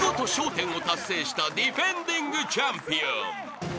１０を達成したディフェンディングチャンピオン］